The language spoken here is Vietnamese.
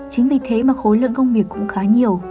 chính vì thế mà khối lượng công việc cũng khá nhiều